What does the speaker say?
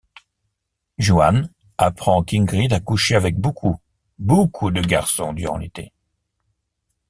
Juan apprend qu'Ingrid a couché avec beaucoup, beaucoup de garçons durant l’été.